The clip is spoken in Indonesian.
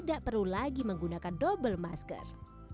jangan lupa menggunakan dobel masker